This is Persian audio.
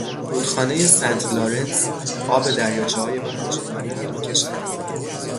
رودخانهی سنت لارنس آب دریاچههای پنج گانه را میکشد.